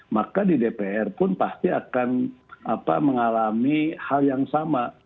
maka di dpr pun pasti akan mengalami hal yang sama